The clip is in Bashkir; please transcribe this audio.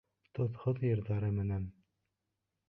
Тоҙһоҙ йырҙары менән!